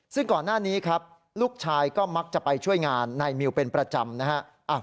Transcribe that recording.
ซึ่งก่อนหน้านี้ครับลูกชายก็มักจะไปช่วยงานนายมิวเป็นประจำนะฮะ